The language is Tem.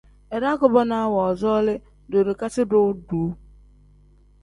Iraa kubonaa woozooli doorikasi-ro duuu.